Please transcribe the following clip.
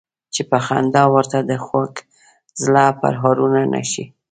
چې په خندا ورته د خوږ زړه پرهارونه نه شي.